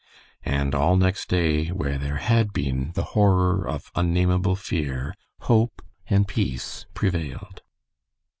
And all next day, where there had been the horror of unnamable fear, hope and peace prevailed.